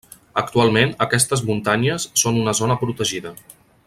Actualment aquestes muntanyes són una zona protegida.